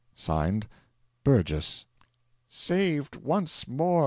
(Signed) 'BURGESS.'" "Saved, once more.